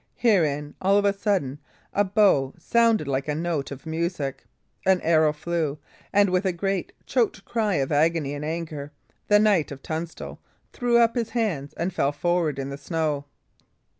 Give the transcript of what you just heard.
Herein, all of a sudden, a bow sounded like a note of music. An arrow flew, and with a great, choked cry of agony and anger, the Knight of Tunstall threw up his hands and fell forward in the snow.